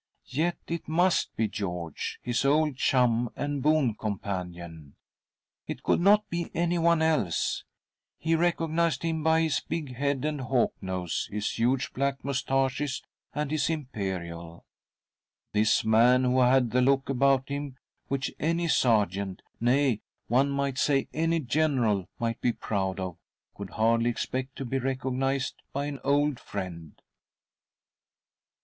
Yet it must be George, his old chum and boon companion ! It could not be mtmmmmm y 48 THY SOUL SHALL BEAR WITNESS! anyone else. He recognised hinvby bis big head and hawk nose, his huge black moustaches and his imperial. This main, who had the look about him which any sergeant — nay ! one might say any general— might be proud of, could hardly expect to be recognised by an old friend.